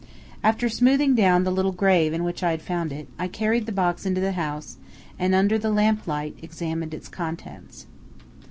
After smoothing down the little grave in which I had found it, I carried the box into the house, and under the lamplight examined its contents.